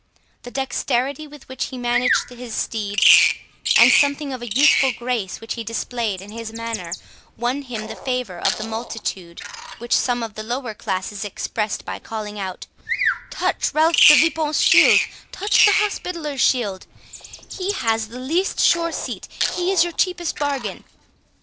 The dexterity with which he managed his steed, and something of youthful grace which he displayed in his manner, won him the favour of the multitude, which some of the lower classes expressed by calling out, "Touch Ralph de Vipont's shield—touch the Hospitallers shield; he has the least sure seat, he is your cheapest bargain."